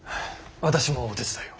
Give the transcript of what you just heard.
私もお手伝いを。